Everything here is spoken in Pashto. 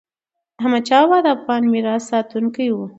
احمدشاه بابا د افغان میراث ساتونکی و.